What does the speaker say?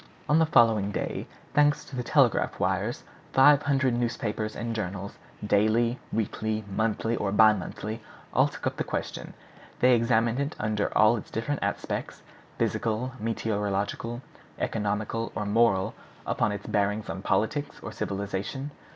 On the following day, thanks to the telegraphic wires, five hundred newspapers and journals, daily, weekly, monthly, or bi monthly, all took up the question. They examined it under all its different aspects, physical, meteorological, economical, or moral, up to its bearings on politics or civilization.